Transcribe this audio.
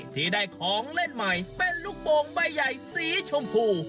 ที่ได้ของเล่นใหม่เป็นลูกโป่งใบใหญ่สีชมพู